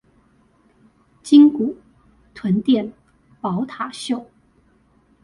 鯨骨、臀墊、寶塔袖